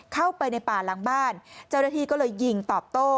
เข้าไปในป่าหลังบ้านเจ้าหน้าที่ก็เลยยิงตอบโต้